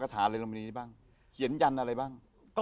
เขียนยันอะไรบ้าง